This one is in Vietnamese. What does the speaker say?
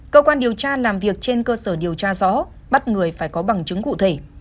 cơ quan điều tra làm việc trên cơ sở điều tra rõ bắt người phải có bằng chứng cụ thể